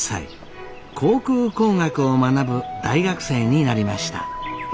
航空工学を学ぶ大学生になりました。